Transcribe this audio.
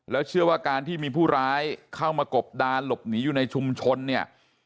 เชื่อว่าการที่มีผู้ร้ายเข้ามากบดานหลบหนีอยู่ในชุมชนเนี่ย